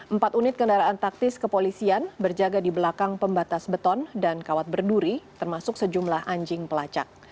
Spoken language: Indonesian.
empat unit kendaraan taktis kepolisian berjaga di belakang pembatas beton dan kawat berduri termasuk sejumlah anjing pelacak